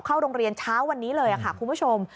เข้าโรงเรียนเช้าวันนี้เลยค่ะคุณผู้ชม